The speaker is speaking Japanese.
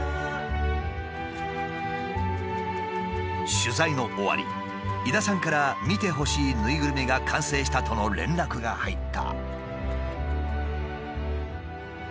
取材の終わり井田さんから見てほしいぬいぐるみが完成したとの連絡が入った。